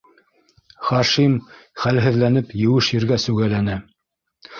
Хашим, хәлһеҙләнеп, еүеш ергә сүгәләне.